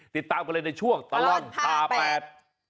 ติดตามกันเลยในช่วงตลอด๕๘